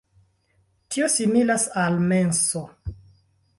Tio similas al menso.